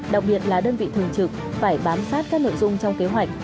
đặc biệt là đơn vị thường trực phải bám sát các nội dung trong kế hoạch